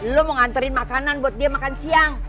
lo mau nganterin makanan buat dia makan siang